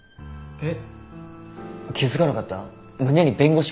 えっ？